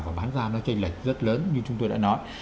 và bán ra nó tranh lệch rất lớn như chúng tôi đã nói